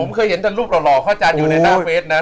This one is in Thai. ผมเคยเห็นแต่รูปหล่อพระอาจารย์อยู่ในหน้าเฟสนะ